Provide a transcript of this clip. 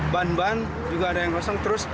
ban ban juga ada yang roseng